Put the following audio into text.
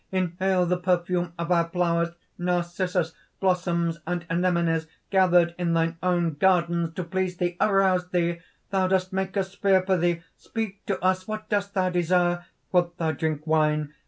"Inhale the perfume of our flowers narcissus blossoms and anemones, gathered in thine own gardens to please thee. Arouse thee! thou dost make us fear for thee! "Speak to us! What dost thou desire? Wilt thou drink wine?